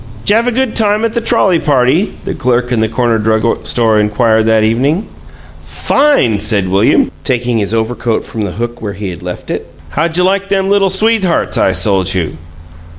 "... 'Jav a good time at the trolley party?" the clerk in the corner drug store inquired that evening. "Fine!" said William, taking his overcoat from the hook where he had left it. "How j' like them Little Sweethearts I sold you?"